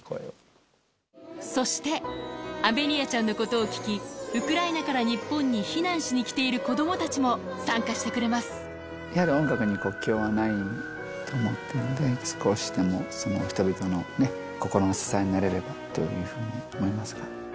そして、アメリアちゃんのことを聞き、ウクライナから日本に避難しに来ている子どもたちも参いわゆる音楽に国境はないと思っているので、少しでも人々の心の支えになれればというふうに思います。